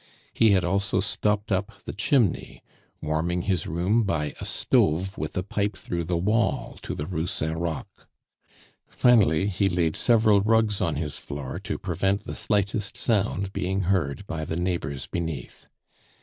He had also stopped up the chimney, warming his room by a stove, with a pipe through the wall to the Rue Saint Roch. Finally, he laid several rugs on his floor to prevent the slightest sound being heard by the neighbors beneath.